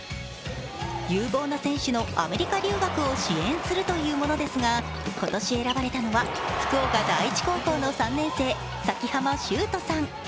有望な選手のアメリカ留学を支援するというものですが、今年選ばれたのは福岡第一高校の３年生崎濱秀斗さん。